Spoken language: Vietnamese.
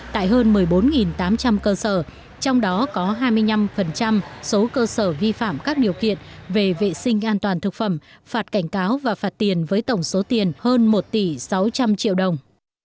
tại hơn một mươi bốn tám trăm linh cơ sở trong đó có hai mươi năm số cơ sở vi phạm các điều kiện về vệ sinh an toàn thực phẩm phạt cảnh cáo và phạt tiền với tổng số tiền hơn một tỷ sáu trăm linh triệu đồng